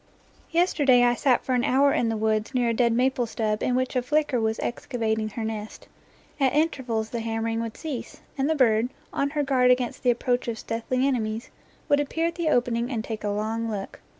Yesterday I sat for an hour in the woods near a dead maple stub in which a flicker was excavating her nest. At intervals the hammering would cease, and the bird, on her guard against the approach of stealthy enemies, would appear at the opening and take a long look.